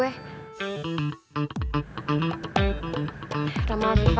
rama afifah temenin gue ke toilet ya